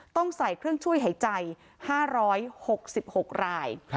ต้องใส่เครื่องช่วยหายใจ๕๖๖ราย